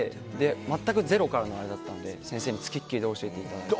全くゼロからだったので先生につきっきりで教えていただいて。